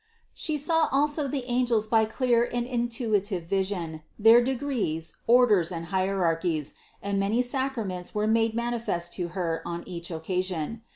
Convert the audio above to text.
She saw also the angels by clear and intuitive vision, their de grees, orders and hierarchies, and many sacraments were made manifest to Her on each occasion.